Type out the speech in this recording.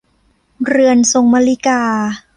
เรือนทรงมลิลา